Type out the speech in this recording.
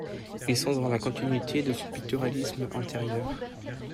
Ils sont dans la continuité de son picturalisme antérieur.